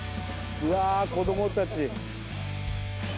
うわ子どもたち。